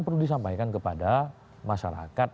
perlu disampaikan kepada masyarakat